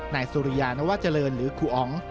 นายสุริยานวเจริญหรือครูอ๋อง